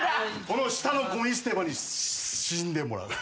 この下のごみ捨て場に死んでもらう。